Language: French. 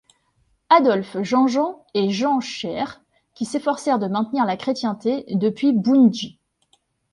Adolphe Jeanjean et Jean Scheer qui s'efforcèrent de maintenir la chrétienté depuis Boundji.